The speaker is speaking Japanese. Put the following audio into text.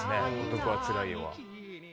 『男はつらいよ』